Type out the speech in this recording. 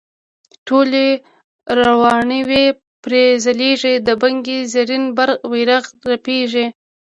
ټولې روڼاوې پرې ځلیږي د بګۍ زرین بیرغ رپیږي.